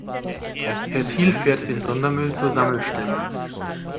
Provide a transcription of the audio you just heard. Herr Thiel fährt den Sondermüll zur Sammelstelle.